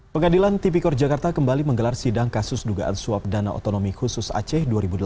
pengadilan tipikor jakarta kembali menggelar sidang kasus dugaan suap dana otonomi khusus aceh dua ribu delapan belas